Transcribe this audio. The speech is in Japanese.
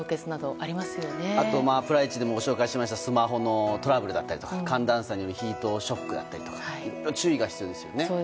あとプライチでもご紹介しましたスマホのトラブルや寒暖差によるヒートショックなどもいろいろ注意が必要ですよね。